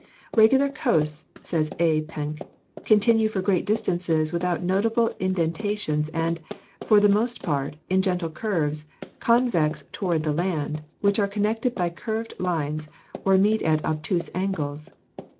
"Regular coasts," says A. Penck, "continue for great distances without notable indentations and, for the most part, in gentle curves, convex toward the land, which are connected by curved lines or meet at obtuse angles.